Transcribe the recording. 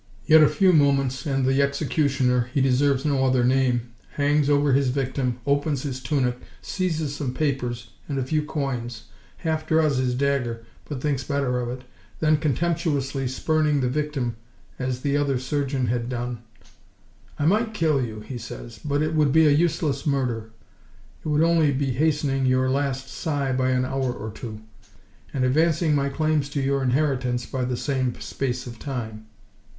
Yet a few moments, and the executioner—he deserves no other name—hangs over his victim, opens his tunic, seizes some papers and a few coins, half draws his dagger, but thinks better of it; then, contemptuously spurning the victim, as the other surgeon had done— "I might kill you," he says, "but it would be a useless murder; it would only be hastening your last Sigh by an hour or two, and advancing my claims to your inheritance by the same space of time."